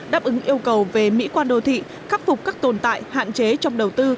đáp ứng yêu cầu về mỹ quan đô thị khắc phục các tồn tại hạn chế trong đầu tư